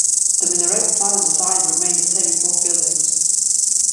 The minaret plan and design remained the same in both buildings.